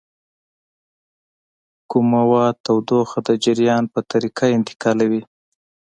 کوم مواد تودوخه د جریان په طریقه انتقالوي؟